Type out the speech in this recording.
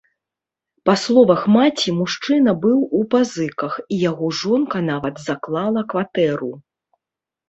Па словах маці, мужчына быў у пазыках і яго жонка нават заклала кватэру.